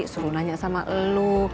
suruh nanya sama elu